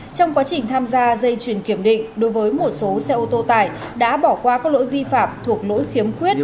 trong quá trình tham gia dây chuyền kiểm định đối với một số xe ô tô tải đã bỏ qua các lỗi vi phạm thuộc lỗi khiếm khuyết